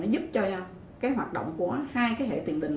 giúp cho hoạt động của hai hệ tiền đình